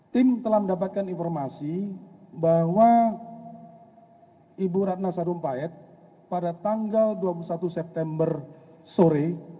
tim telah mendapatkan informasi bahwa ibu ratna sarumpayat pada tanggal dua puluh satu september sore